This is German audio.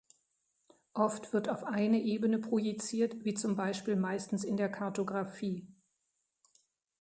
Oft wird auf eine Ebene projiziert, wie zum Beispiel meistens in der Kartografie.